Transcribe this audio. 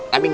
tapi pak d